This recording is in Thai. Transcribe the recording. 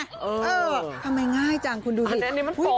เออทำไมง่ายจังคุณดูสิอันนี้มันโฟมหรือเปล่าลูก